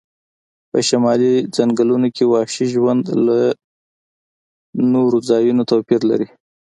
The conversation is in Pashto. په شمالي ځنګلونو کې وحشي ژوند له نورو ځایونو توپیر لري